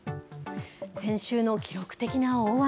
先週の記録的な大雨。